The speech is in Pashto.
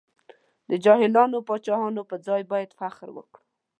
د جاهلو پایلوچانو پر ځای باید فخر وکړو.